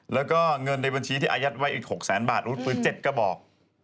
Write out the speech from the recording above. แล้วก็เงินในบัญชีที่อายัดไว้อีก๖แสนบาทอาวุธปืน๗กระบอก